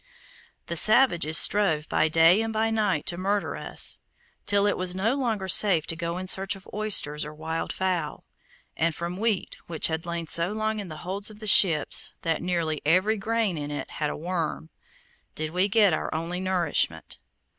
The savages strove by day and by night to murder us, till it was no longer safe to go in search of oysters or wildfowl, and from wheat which had lain so long in the holds of the ships that nearly every grain in it had a worm, did we get our only nourishment.